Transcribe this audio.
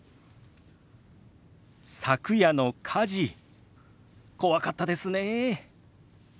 「昨夜の火事怖かったですね」。